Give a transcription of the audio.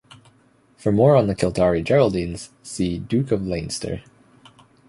"For more on the Kildare Geraldines, see" Duke of Leinster.